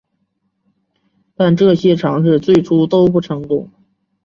但这些尝试最初都不成功。